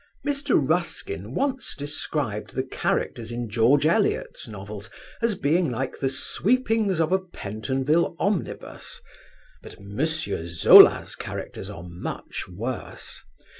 Mr. Ruskin once described the characters in George Eliot's novels as being like the sweepings of a Pentonville omnibus, but M. Zola's characters are much worse.